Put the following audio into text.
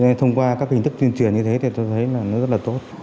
nên thông qua các hình thức tuyên truyền như thế tôi thấy rất tốt